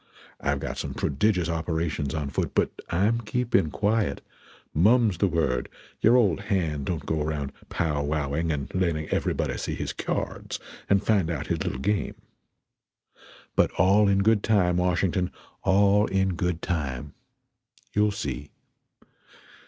I've got some prodigious operations on foot; but I'm keeping quiet; mum's the word; your old hand don't go around pow wowing and letting everybody see his k'yards and find out his little game. But all in good time, Washington, all in good time. You'll see.